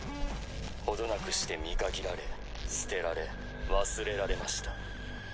程なくして見限られ捨てられ忘れられました。